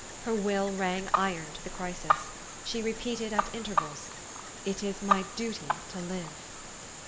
Her will rang iron to the crisis. She repeated at intervals, " It is my duty to live."